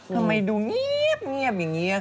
ทำไมดูเงียบอย่างนี้